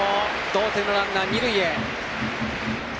同点のランナー、二塁へ。